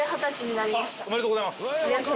ありがとうございます。